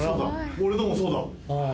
俺のもそうだ。